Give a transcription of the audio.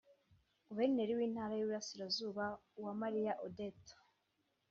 Guverineri w’Intara y’Iburasirazuba Uwamariya Odette